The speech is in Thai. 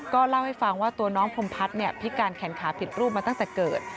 ก็เล่าให้ฟังว่าตัวน้องพรมพัฒน์พิการแขนขาผิดรูปมาตั้งแต่เกิด